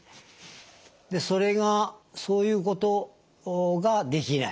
それがそういうことができない。